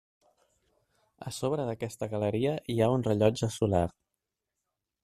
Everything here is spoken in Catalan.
A sobre d'aquesta galeria hi ha un rellotge solar.